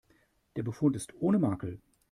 Der Befund ist ohne Makel.